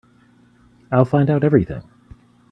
I'll find out everything.